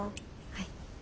はい。